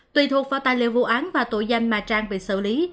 tùy thuộc vào tài liệu vụ án và tội danh mà trang bị xử lý